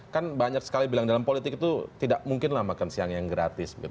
kan banyak sekali bilang dalam politik itu tidak mungkinlah makan siang yang gratis